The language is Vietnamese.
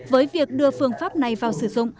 với việc đưa phương pháp này vào sử dụng